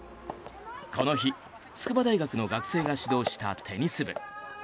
この日、筑波大学の学生が指導したテニス部。